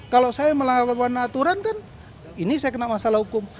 kalau saya melakukan aturan kan ini saya kena masalah hukum